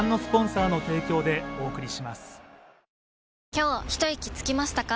今日ひといきつきましたか？